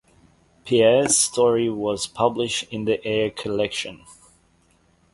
Pierre's story was published in the "Air" collection.